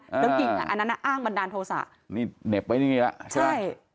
แล้วยิงอ่ะอันนั้นน่ะอ้างบันดาลโทษะนี่เหน็บไว้นี่แล้วใช่ไหมใช่